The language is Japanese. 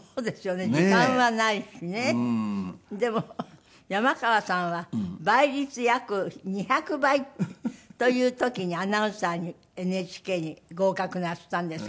でも山川さんは倍率約２００倍という時にアナウンサーにＮＨＫに合格なすったんですから。